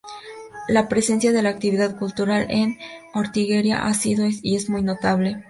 La presencia de la actividad cultural en Ortigueira ha sido y es muy notable.